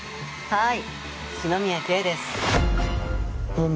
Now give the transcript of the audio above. はい。